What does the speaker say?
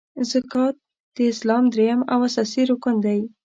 زکات د اسلام دریم او اساسې رکن دی .